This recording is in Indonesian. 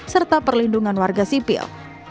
serta perlindungan warga zipil